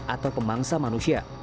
atau pemangsa manusia